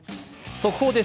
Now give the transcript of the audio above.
速報です。